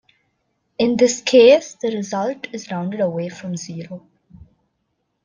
In this case, the result is rounded away from zero.